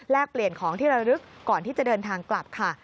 เปลี่ยนของที่ระลึกก่อนที่จะเดินทางกลับค่ะ